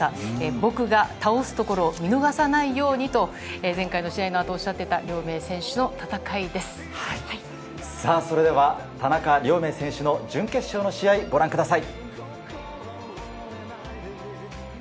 僕が倒すところを見逃さないようにと、前回の試合の後、おっしゃさぁ、それでは田中亮明選手の準決勝の試合をご覧ください。